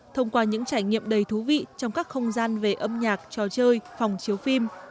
thông qua những trải nghiệm đầy thú vị trong các không gian về âm nhạc trò chơi phòng chiếu phim